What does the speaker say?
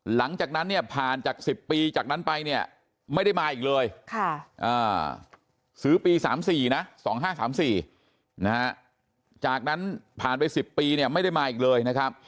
หลังจากนั้นเนี่ยผ่านจาก๑๐ปีจากนั้นไปเนี่ยไม่ได้มาอีกเลยซื้อปี๓๔นะ๒๕๓๔นะฮะจากนั้นผ่านไป๑๐ปีเนี่ยไม่ได้มาอีกเลยนะครับ